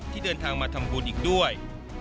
เดินทางมาทำบุญอีกด้วย